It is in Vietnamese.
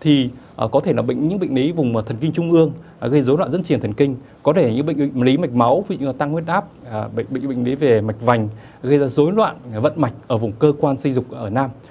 thì có thể là những bệnh lý vùng thần kinh trung ương gây dối loạn dân triển thần kinh có thể là những bệnh lý mạch máu tăng huyết áp bệnh lý về mạch vành gây ra dối loạn vận mạch ở vùng cơ quan xây dục ở nam